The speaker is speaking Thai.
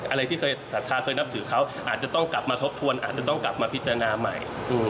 อะไรที่เคยศรัทธาเคยนับถือเขาอาจจะต้องกลับมาทบทวนอาจจะต้องกลับมาพิจารณาใหม่